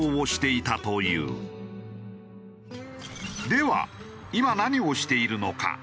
では今何をしているのか？